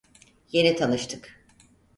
Yeni tanıştık.